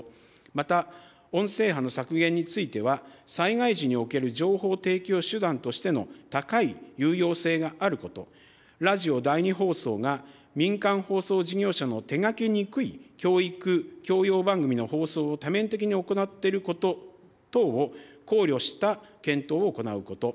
また音声波の削減については災害時における情報提供手段としての高い有用性があること、ラジオ第２放送が民間放送事業者の手がけにくい教育、教養番組の放送を多面的に行っていること等を考慮した検討を行うこと。